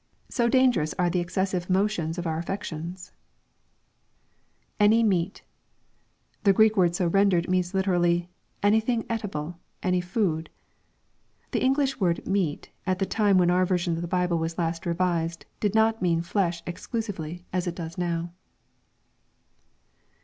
So dangerous are the excessive motions of our affections 1" [Any meat] The G reek word so rendered, means literally, " anything eatable, any food." The English word " meat," at the time when oiir version of the Bible was last revised, did not mean " flesh" exclusively, as it does now.